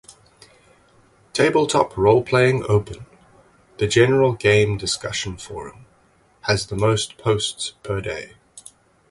"Tabletop Roleplaying Open", the general game discussion forum, has the most posts per day.